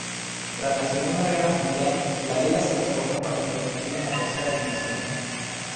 Tras la Segunda Guerra Mundial la liga se reformó para introducir una tercera división.